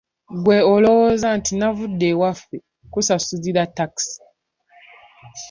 Ggwe olowooza nti nze navudde ewaffe kusasulirwa takisi?